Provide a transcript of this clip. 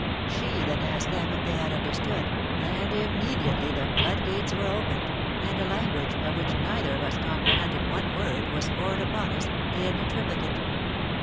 S/ie then asked them if they had understood, and immediately the flood gates were opened, and a language, of which neither of us comprehended one word, was poured upon us, in triplicate.